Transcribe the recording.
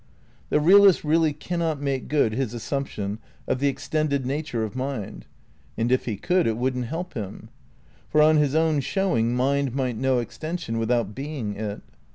The realist really cannot make good his assumption of the extended nature of mind; and if he could it wouldn't help him; for on his own showing mind might know extension without being it.